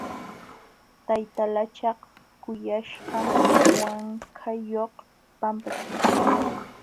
Tayta lachak kuyaśhqam wankayuq pampaćhu.